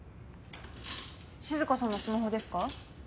静香さんのスマホですか？